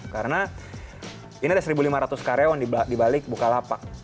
karena ini ada seribu lima ratus karyawan dibalik bukalapak